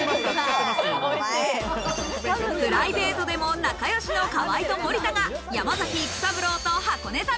プライベートでも仲良しの河合と森田が山崎育三郎と箱根旅。